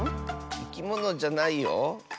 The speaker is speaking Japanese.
いきものじゃないよ。